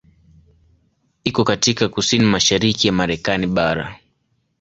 Iko katika kusini-mashariki ya Marekani bara.